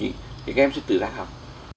thì các em sẽ tự đạt học